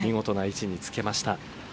見事な位置につけました。